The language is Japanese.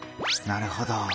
なるほど。